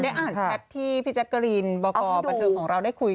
อ่านแชทที่พี่แจ๊กกะรีนบอกบันเทิงของเราได้คุย